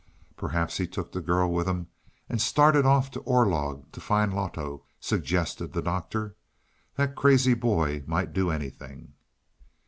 "Perhaps he took the girl with him and started off to Orlog to find Loto," suggested the Doctor. "That crazy boy might do anything."